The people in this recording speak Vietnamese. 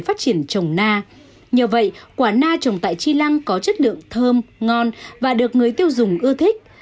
huyện tri lăng có chất lượng thơm ngon và được người tiêu dùng ưa thích